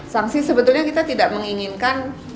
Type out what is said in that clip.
sanksi sebetulnya kita tidak menginginkan